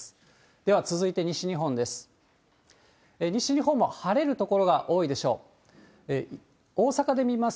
では続いて、西日本です。